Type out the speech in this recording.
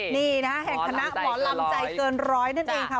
นี่นะฮะแห่งคณะหมอลำใจเกินร้อยนั่นเองค่ะ